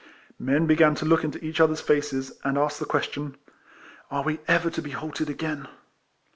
Men began to look into each other's faces, and ask the question " Are we ever to be halted again?